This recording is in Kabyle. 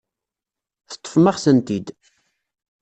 Teṭṭfem-aɣ-tent-id.